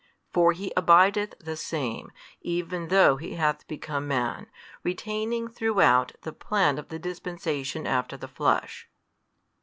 For He abideth the Same, even though He hath become Man, retaining throughout the plan of the dispensation after the Flesh.